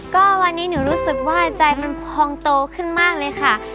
ก็วันนี้หนูรู้สึกว่าใจมันพองโตขึ้นมากเลยค่ะ